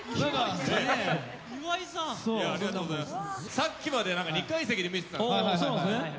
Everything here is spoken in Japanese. さっきまで２階席で見てたんですよ。